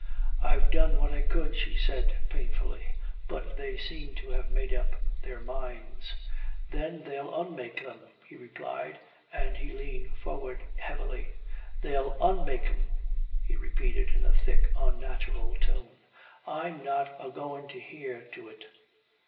"I've done what I could," she said painfully, "but they seem to have made up their minds." "Then they'll unmake 'em," he replied, and he leaned forward heavily. "They'll unmake 'em," he repeated, in a thick unnatural tone. "I'm not a'goin' to hear to it!"